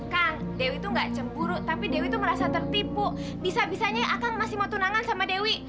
kang dewi tuh nggak cemburu tapi dewi tuh merasa tertipu bisa bisanya akang masih mau tunangan sama dewi